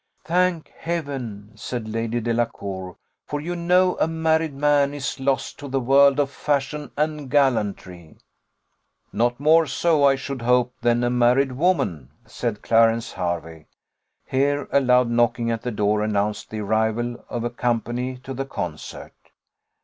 "Thank Heaven!" said Lady Delacour; "for you know a married man is lost to the world of fashion and gallantry." "Not more so, I should hope, than a married woman," said Clarence Harvey. Here a loud knocking at the door announced the arrival of company to the concert.